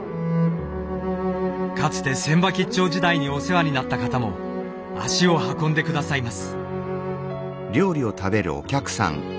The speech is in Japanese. かつて船場兆時代にお世話になった方も足を運んで下さいます。